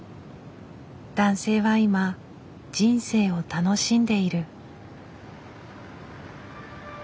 男性は今人生を楽しんでいる。